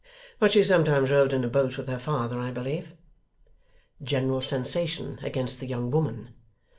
But she sometimes rowed in a boat with her father, I believe.' General sensation against the young woman.